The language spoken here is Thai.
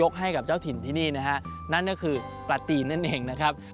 ให้กับเจ้าถิ่นที่นี่นะฮะนั่นก็คือปลาตีนนั่นเองนะครับ